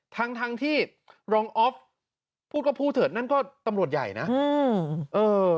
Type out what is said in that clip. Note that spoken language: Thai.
ทั้งทั้งที่รองออฟพูดก็พูดเถอะนั่นก็ตำรวจใหญ่นะอืมเออ